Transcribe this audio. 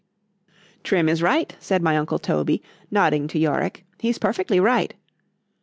_—Trim is right, said my uncle Toby, nodding to Yorick,——he's perfectly right.